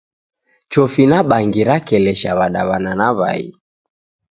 Chofi na bangi rakelesha w'adaw'ana na w'ai.